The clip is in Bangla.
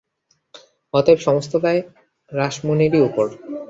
অতএব সমস্ত দায় রাসমণিরই উপর।